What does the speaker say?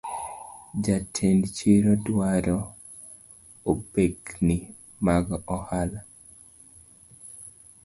Jatend chiro dwaro obokeni mar hala